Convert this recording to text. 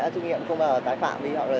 đây là trong lây bình yên hoa